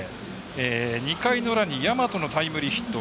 ２回の裏に大和のタイムリーヒット。